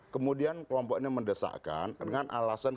kemudian kelompok ini mendesakkan dengan alasan